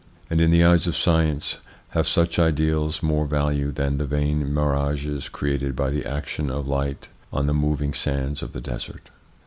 And, in the eyes of science, have such ideals more value than the vain mirages created by the action of light on the moving sands of the desert?